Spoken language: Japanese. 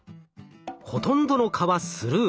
ほとんどの蚊はスルー。